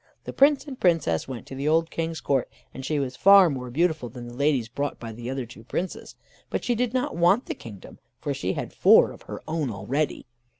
The Prince and Princess went to the old King's court, and she was far more beautiful than the ladies brought by the other two Princes. But she did not want the kingdom, for she had four of her own already.